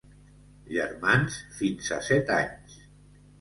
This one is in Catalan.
Germans, fins a set anys.